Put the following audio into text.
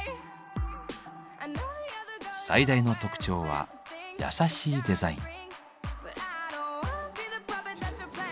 最大の特徴は優しいデザイン。